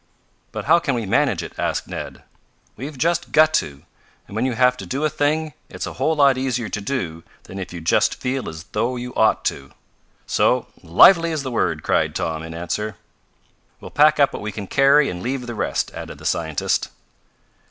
"But how can we manage it?" asked Ned. "We've just got to! And when you have to do a thing, it's a whole lot easier to do than if you just feel as though you ought to. So, lively is the word!" cried Tom, in answer. "We'll pack up what we can carry and leave the rest," added the scientist.